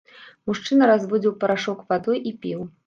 Мужчына разводзіў парашок вадой і піў.